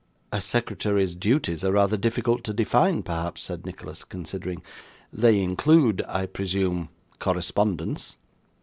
'A secretary's duties are rather difficult to define, perhaps,' said Nicholas, considering. 'They include, I presume, correspondence?